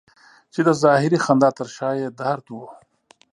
چې د ظاهري خندا تر شا یې درد و.